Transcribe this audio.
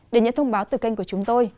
để nhận thông báo từ kênh của chúng tôi